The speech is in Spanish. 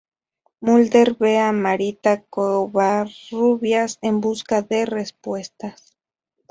Mulder ve a Marita Covarrubias en busca de respuestas.